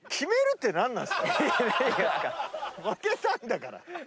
負けたんだから！